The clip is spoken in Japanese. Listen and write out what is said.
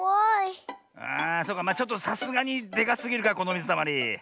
あそうかちょっとさすがにでかすぎるかこのみずたまり。